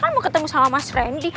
mau ketemu sama mas randy